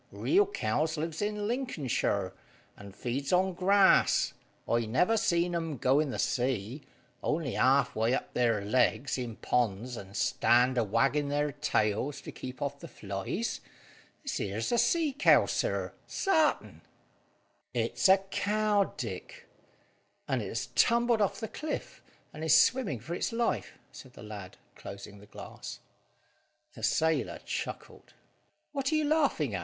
Real cows lives in Lincolnshire, and feeds on grass. I never see 'em go in the sea, only halfway up their legs in ponds, and stand a waggin' their tails to keep off the flies. This here's a sea cow, sir, sartin." "It's a cow, Dick; and it has tumbled off the cliff, and is swimming for its life," said the lad, closing the glass. The sailor chuckled. "What are you laughing at?"